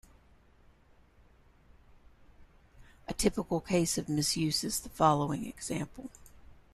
A typical case of misuse is the following example.